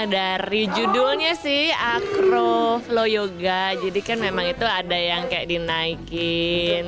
dari judulnya sih akro flow yoga jadi kan memang itu ada yang kayak dinaikin